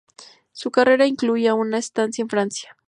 Su carrera incluía una estancia en Francia.